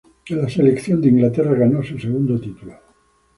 La selección de Inglaterra ganó su segundo título.